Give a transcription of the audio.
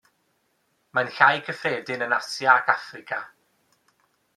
Mae'n llai cyffredin yn Asia ac Affrica.